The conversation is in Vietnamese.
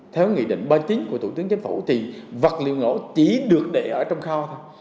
theo nghị định bài tính của tổng thống chính phủ thì vật liệu nổ chỉ được để ở trong kho thôi